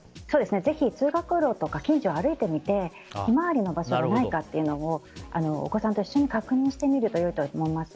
ぜひ通学路とか近所を歩いてみて「ひまわり」の場所がないかお子さんと一緒に確認してみると良いと思います。